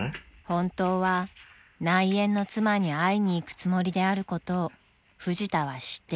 ［本当は内縁の妻に会いに行くつもりであることをフジタは知っていました］